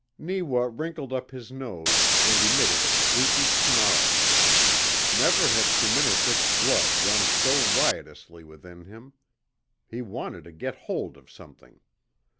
Neewa wrinkled up his nose and emitted a squeaky snarl. Never had Soominitik's blood run so riotously within him. He wanted to get hold of something.